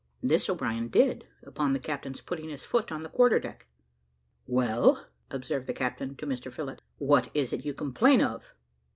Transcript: This O'Brien did, upon the captain's putting his foot on the quarter deck. "Well," observed the captain to Mr Phillott, "what is it you complain of?"